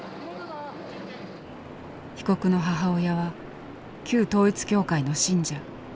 被告の母親は旧統一教会の信者。